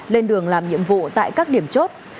lên đường làm nhiệm vụ tại các điểm chốt